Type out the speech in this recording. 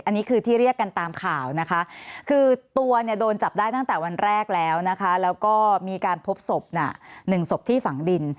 อันนี้คือที่เรียกกันตามข่าวนะคะคือตัวเนี่ยโดนจับได้ตั้งแต่วันแรกแล้วนะคะแล้วก็มีการพบศพน่ะหนึ่งศพที่ฝังดิน